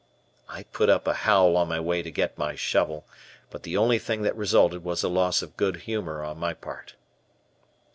I put up a howl on my way to get my shovel, but the only thing that resulted was a loss of good humor on my part.